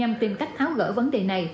trong khi các khách tháo gỡ vấn đề này